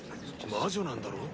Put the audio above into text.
魔女なんだろ？